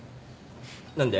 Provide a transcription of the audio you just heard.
何で？